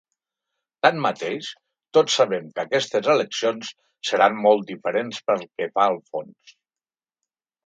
Tanmateix, tots sabem que aquestes eleccions seran molt diferents pel que fa al fons.